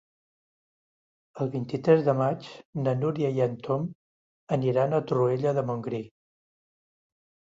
El vint-i-tres de maig na Núria i en Tom aniran a Torroella de Montgrí.